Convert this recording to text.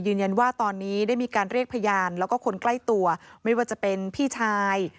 ยืนยันว่าตอนนี้ได้มีการเรียกพยานแล้วก็คนใกล้ตัวไม่ว่าจะเป็นพี่ชาย